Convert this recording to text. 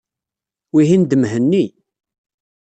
Wihin d Mhenni.